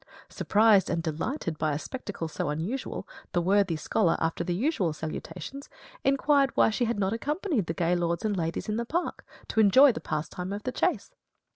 Surprised and delighted by a spectacle so unusual, the worthy scholar, after the usual salutations, inquired why she had not accompanied the gay lords and ladies in the park, to enjoy the pastime of the chase.